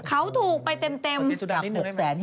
เขาถูกไปเต็มอยาก๖แสน